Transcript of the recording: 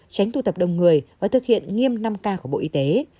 tránh tụ tập đông người và thực hiện nghiêm năm k của bộ y tế